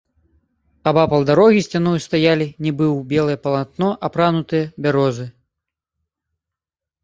Абапал дарогі сцяною стаялі, нібы ў белае палатно апранутыя, бярозы.